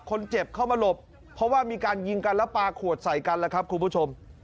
คนเจ็บเข้ามาหลบเพราะว่ามีการยิงกันแล้วปลาขวดใส่กันแล้วครับคุณผู้ชม